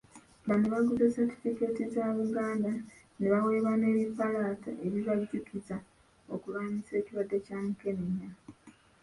Bano baguze ssatifikeeti za Buganda ne baweebwa n'ebipalati ebibajjukiza okulwanyisa ekirwadde kya Mukenenya.